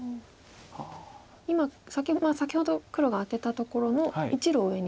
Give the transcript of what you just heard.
今先ほど黒がアテたところの１路上に。